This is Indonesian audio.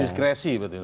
diskresi berarti pak